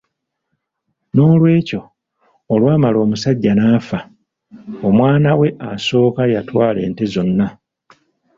N'olwekyo, olwamala omusajja n'afa, omwana we asooka yatwala ente zonna.